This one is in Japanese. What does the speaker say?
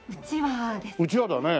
うちわですかね？